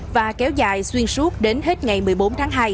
và kéo dài xuyên suốt đến hết ngày một mươi bốn tháng hai